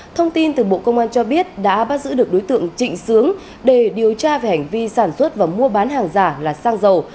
thông tin từ bộ công an cho biết đã bắt giữ được đối tượng trịnh sướng để điều tra về hành vi sản xuất và mua bán hàng giả là xăng dầu